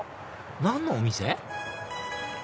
何のお店？